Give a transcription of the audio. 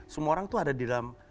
semua orang itu ada di dalam